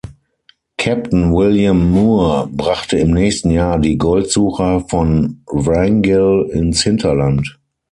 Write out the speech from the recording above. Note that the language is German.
Captain William Moore brachte im nächsten Jahr die Goldsucher von Wrangell ins Hinterland.